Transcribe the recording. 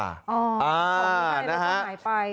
อ๋อเขาเล่นแค่ได้หายไป